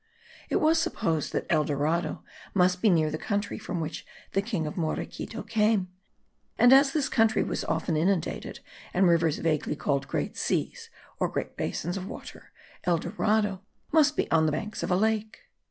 It was supposed that El Dorado must be near the country from which the king of Morequito came; and as this country was often inundated, and rivers vaguely called great seas, or great basins of water, El Dorado must be on the banks of a lake.